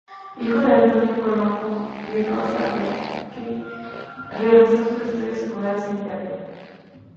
Hijo de Antonio Colombo y Rosa D’Aque, realizó sus estudios secundarios en Italia.